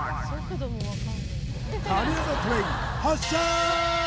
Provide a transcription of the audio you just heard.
神業トレイン発車！